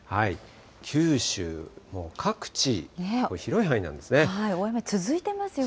九州、もう各地、広い範囲で雨ですね。